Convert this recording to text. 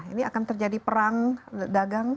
ini akan terjadi perang dagang